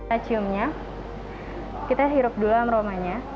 aciumnya kita hirup dulu aroma nya